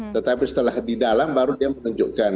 tetapi setelah di dalam baru dia menunjukkan